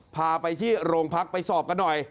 พาไปที่โรงพักไปสอบกันหน่อย